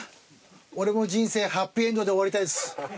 俺も人生ハッピーエンドで終わりたいです。